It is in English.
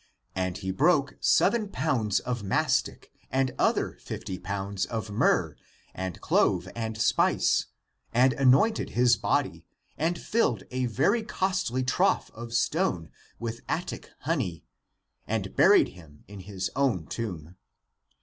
And he broke seven pounds of mastic and other fifty pounds of myrrh and clove and spice and anointed his body, and filled a very costly trough of stone with Attic honey and buried him in his own tomb.